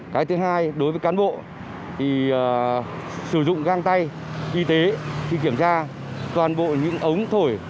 cái thứ hai đối với cán bộ thì sử dụng găng tay y tế khi kiểm tra toàn bộ những ống thổi